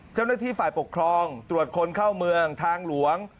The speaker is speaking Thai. เจ้าหน้าที่ฝ่ายปกครองตรวจคนเข้าเมืองทางหลวง